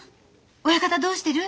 「親方どうしてる？